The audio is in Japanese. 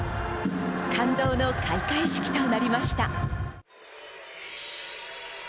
感動の開会式となりました。